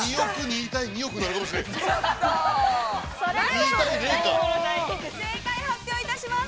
◆それでは、正解発表いたします。